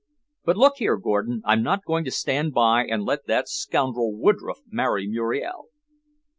But look here, Gordon, I'm not going to stand by and let that scoundrel Woodroffe marry Muriel."